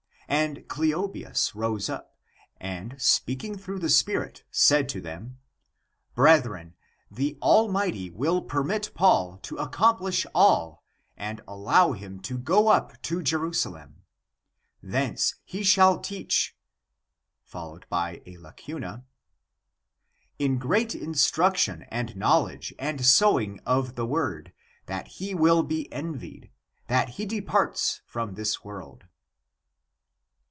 And Cleobius rose up, and speaking through the spirit said to them :" Brethren, the [Almighty?] will permit Paul to accomplish all and allow him to go up [to Jerusalem?]; thence he shall teach . in great instruction and knowledge and sowing of the word, that he will be envied, that he departs from this world."